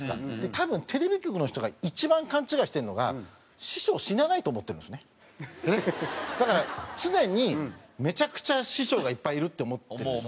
多分テレビ局の人が一番勘違いしてるのがだから常にめちゃくちゃ師匠がいっぱいいるって思ってるんですよ。